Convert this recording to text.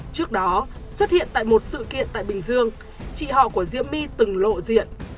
trước đó xuất hiện tại một sự kiện tại bình dương chị họ của diễm my từng lộ diện